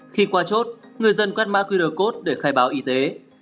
khi qua chốt người dân quét mã qr code để khai báo y tế